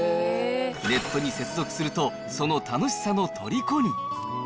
ネットに接続すると、その楽しさのとりこに。